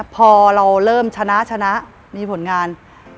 พอเราเริ่มชนะชนะมีผลงาน